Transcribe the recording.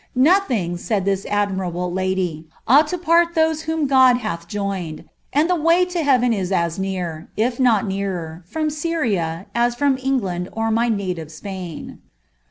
" Nothing," Miil this admirable lady, " ought w pMl ihose whom God haih jomnt, ai ths way lo lipavrn ii a* nnir, if not nearer, from Syria, a:* frnm England pr my natlre Spain."'